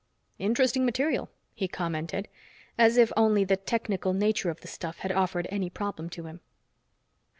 "Interesting material," he commented, as if only the technical nature of the stuff had offered any problem to him.